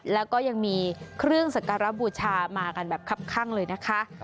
แล้วก็ยังมีเครื่องสักการบูชามากันแบบคับข้างเลยนะคะ